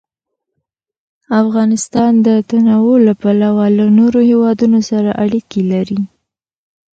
افغانستان د تنوع له پلوه له نورو هېوادونو سره اړیکې لري.